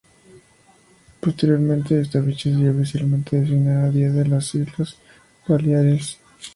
Posteriormente, esta fecha sería oficialmente designada Día de las Islas Baleares.